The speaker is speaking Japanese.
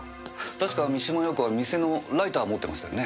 確か三島陽子は店のライター持ってましたよね？